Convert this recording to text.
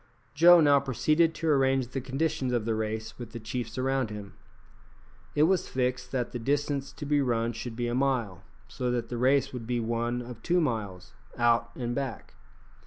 Joe now proceeded to arrange the conditions of the race with the chiefs around him. It was fixed that the distance to be run should be a mile, so that the race would be one of two miles, out and back.